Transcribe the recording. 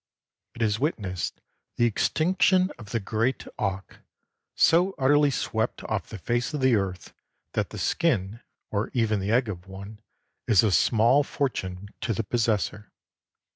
It has witnessed the extinction of the great auk, so utterly swept off the face of the earth that the skin, or even the egg of one, is a small fortune to the possessor.